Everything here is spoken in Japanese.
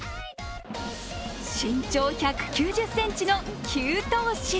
身長１９０ｃｍの９頭身。